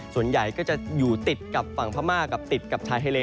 ส่วนใหญ่ก็จะอยู่ติดกับฝั่งพม่ากับติดกับชายทะเล